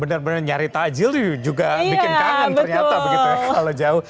benar benar nyari tajil juga bikin kangen ternyata begitu ya kalau jauh